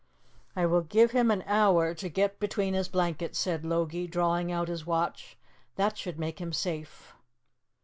"I will give him an hour to get between his blankets," said Logie, drawing out his watch. "That should make him safe."